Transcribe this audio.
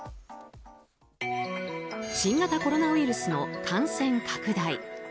新型コロナウイルスの感染拡大。